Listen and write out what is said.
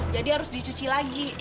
jadi harus dicuci lagi